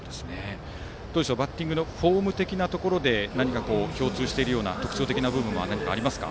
バッティングのフォーム的なところで何か共通しているような特徴的な部分はありますか。